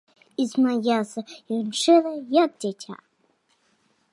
І смяяўся ён шчыра, як дзіця.